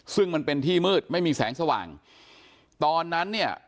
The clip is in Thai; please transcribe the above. ซึ่งมันเป็นที่มืดไม่มีแสงสว่างตอนนั้นเนี่ย